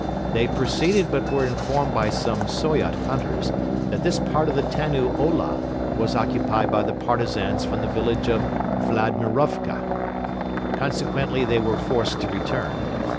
They proceeded but were informed by some Soyot hunters that this part of the Tannu Ola was occupied by the Partisans from the village of Vladimirovka. Consequently they were forced to return.